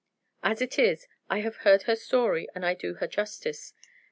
As it is, I have heard her story, and I do her justice.